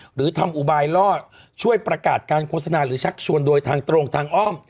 หรือทำอุบายล่อช่วยประกาศการโฆษณาหรือชักชวนโดยทางตรงทางอ้อม